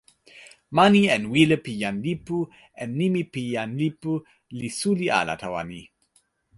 mani en wile pi jan lipu en nimi pi jan lipu li suli ala tawa ni.